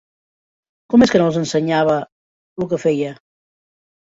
Com és que no els ensenyava lo que feia